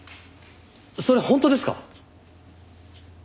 それ本当ですか？